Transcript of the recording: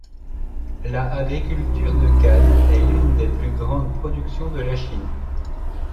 La agriculture de canne est l'une des plus grandes productions de la Chine.